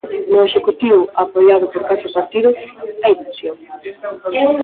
No executivo, apoiado por catro partidos, hai división.